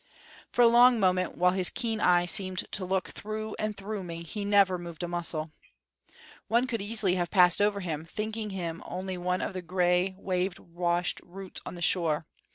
For a long moment, while his keen eye seemed to look through and through me, he never moved a muscle. One could easily have passed over him, thinking him only one of the gray, wave washed roots on the shore.